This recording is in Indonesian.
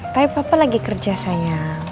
tapi papa lagi kerja saya